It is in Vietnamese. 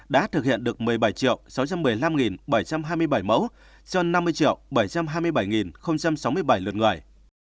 đã thực hiện được một mươi bảy sáu trăm một mươi năm bảy trăm hai mươi bảy mẫu cho năm mươi bảy trăm hai mươi bảy sáu mươi bảy lượt người